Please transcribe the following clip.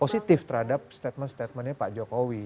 positif terhadap statement statementnya pak jokowi